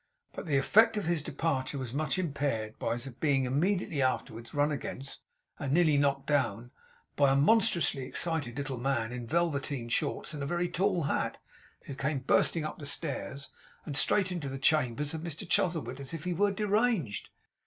But the effect of his departure was much impaired by his being immediately afterwards run against, and nearly knocked down, by a monstrously excited little man in velveteen shorts and a very tall hat; who came bursting up the stairs, and straight into the chambers of Mr Chuzzlewit, as if he were deranged.